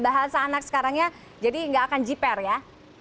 bahasa anak sekarangnya jadi nggak akan jiper ya